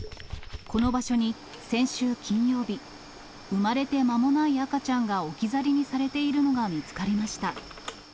この場所に、先週金曜日、産まれて間もない赤ちゃんが置き去りにされているのが見つかりました。